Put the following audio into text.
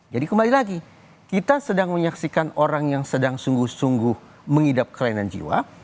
jadi kembali lagi kita sedang menyaksikan orang yang sedang sungguh sungguh mengidap kelainan jiwa